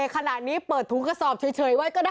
ขนาดนี้เปิดถุงกระสอบเฉยไว้ก็ได้